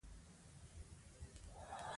اقتصادي پرمختګ زموږ ګډ هدف دی.